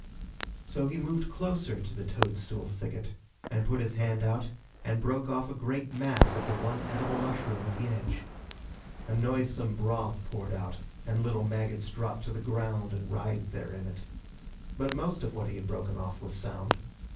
So he moved closer to the toadstool thicket and put his hand out and broke off a great mass of the one edible mushroom at the edge. A noisesome broth poured out and little maggots dropped to the ground and writhed there in it. But most of what he had broken off was sound.